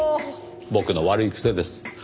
僕の悪い癖です。